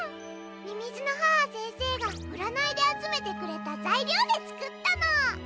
みみずの母先生がうらないであつめてくれたざいりょうでつくったの。